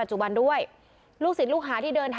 ทั้งหมดนี้คือลูกศิษย์ของพ่อปู่เรศรีนะคะ